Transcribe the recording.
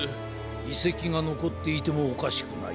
いせきがのこっていてもおかしくない。